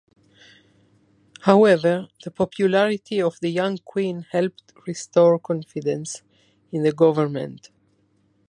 However, the popularity of the young Queen helped restore confidence in the government.